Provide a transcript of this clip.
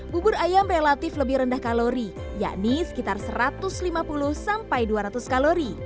bubur ayam relatif lebih rendah kalori yakni sekitar satu ratus lima puluh sampai dua ratus kalori